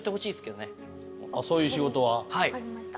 そういう仕事は。